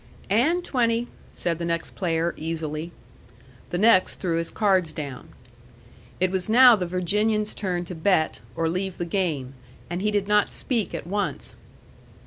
"AND twenty," said the next player, easily. The next threw his cards down. It was now the Virginian's turn to bet, or leave the game, and he did not speak at once.